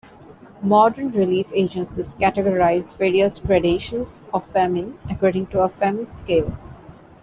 Modern relief agencies categorize various gradations of famine according to a famine scale.